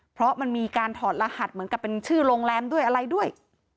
เพราะมันมีการถอดรหัสเหมือนกับเป็นชื่อโรงแรมด้วยอะไรด้วย